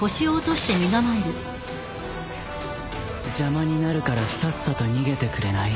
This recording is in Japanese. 邪魔になるからさっさと逃げてくれない？